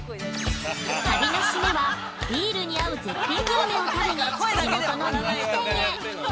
◆旅の締めは、ビールに合う絶品料理を食べに地元の人気店へ！